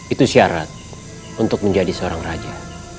itu syarat untuk menjadi seorang raja